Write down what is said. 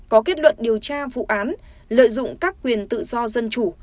có kết luận điều tra vụ án lợi dụng các quyền tự do dân chủ